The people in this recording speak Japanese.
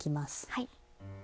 はい。